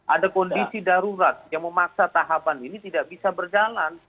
ada kondisi darurat yang memaksa tahapan ini tidak bisa berjalan